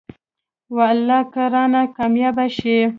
والله که رانه کاميابه شې.